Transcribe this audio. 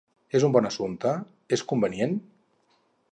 És un bon assumpte? És convenient?